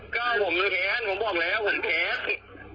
ก็เอาผมในแผนผมบอกแล้วผมแผน